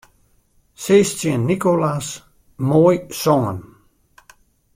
Sis tsjin Nicolas: Moai songen.